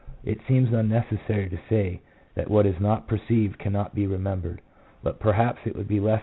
It seems unneces sary to say that what is not perceived cannot be remembered, but perhaps it would be less readily 1 \V.